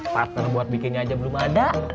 paster buat bikinnya aja belum ada